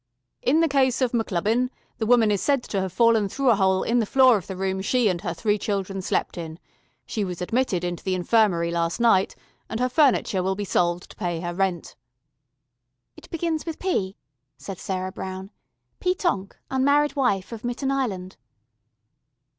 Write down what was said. In the case of M'Clubbin, the woman is said to have fallen through a hole in the floor of the room she and her three children slept in. She was admitted into the Infirmary last night, and her furniture will be sold to pay her rent " "It begins with P," said Sarah Brown. "P. Tonk, unmarried wife, of Mitten Island...."